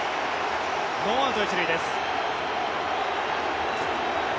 ノーアウト１塁です。